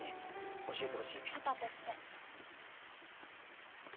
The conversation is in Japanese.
パパとして。